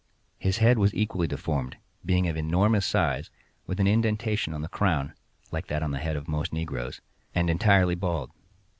His head was equally deformed, being of immense size, with an indentation on the crown (like that on the head of most negroes), and entirely bald.